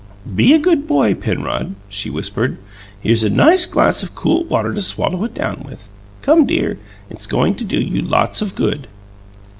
"Be a good boy, Penrod," she whispered. "Here's a glass of nice cool water to swallow it down with. Come, dear; it's going to do you lots of good."